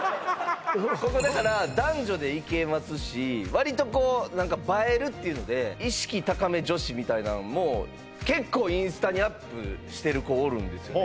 ここだから男女で行けますしわりとこう何か映えるっていうので意識高め女子みたいなのも結構インスタにアップしてる子おるんですよね